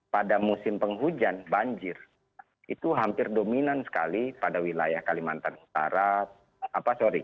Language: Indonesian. pada musim penghujan banjir itu hampir dominan sekali pada wilayah tropis